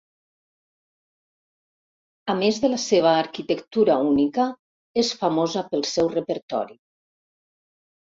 A més de la seva arquitectura única, és famosa pel seu repertori.